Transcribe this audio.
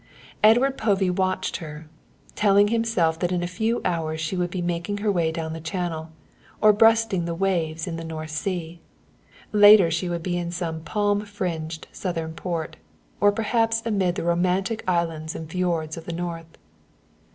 Edward Povey watched her, telling himself that in a few hours she would be making her way down Channel or breasting the waves in the North Sea. Later she would be in some palm fringed Southern port, or perhaps amid the romantic islands and fjords of the North.